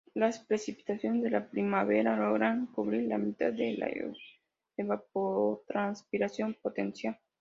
Las precipitaciones de la primavera logran cubrir la mitad de la evapotranspiración potencial.